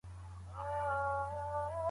که ټولنه ګډه وي، نو د نفاق خطر ندی.